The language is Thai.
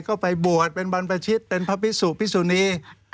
ก็ไปบวชเป็นบรรพชิตเป็นพระพิสุพิสุนี